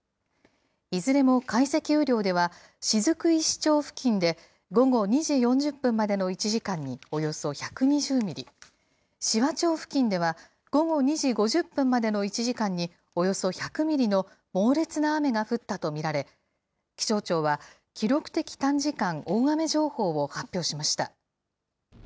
いずれも解析雨量では、雫石町付近で午後２時４０分までの１時間におよそ１２０ミリ、紫波町付近では午後２時５０分までの１時間におよそ１００ミリの猛烈な雨が降ったと見られ、気象庁は、記録的短時間大雨情報を発表しました。